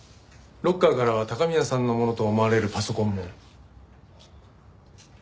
ロッカーからは高宮さんのものと思われるパソコンも。